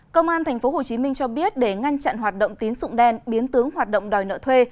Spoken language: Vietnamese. công an tp hcm cho biết để ngăn chặn hoạt động tín dụng đen biến tướng hoạt động đòi nợ thuê